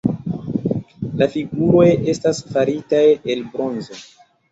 La figuroj estas faritaj el bronzo.